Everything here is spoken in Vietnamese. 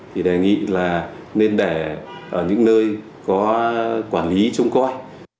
thì đại nghị là nên đẻ ở những nơi có quản lý chung coi